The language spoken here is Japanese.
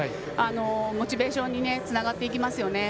モチベーションにつながっていきますよね。